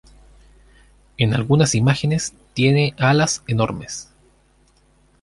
En algunas imágenes tiene alas enormes.